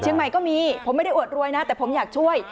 ใหม่ก็มีผมไม่ได้อวดรวยนะแต่ผมอยากช่วย